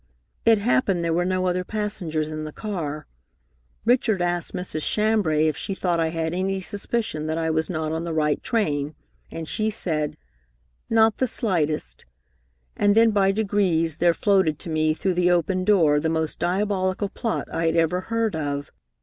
It happened there were no other passengers in the car. Richard asked Mrs. Chambray if she thought I had any suspicion that I was not on the right train, and she said, 'Not the slightest,' and then by degrees there floated to me through the open door the most diabolical plot I had ever heard of.